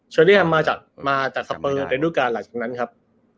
เชอร์ลิ้งแฮมมาจากตะสะเพิร์โดนดูการหลังจากนั้นครับ